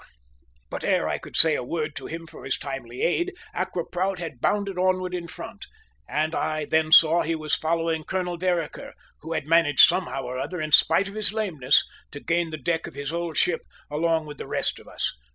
But ere I could say a word to him for his timely aid, Accra Prout had bounded onward in front, and I then saw he was following Colonel Vereker, who had managed somehow or other, in spite of his lameness, to gain the deck of his old ship along with the rest of us.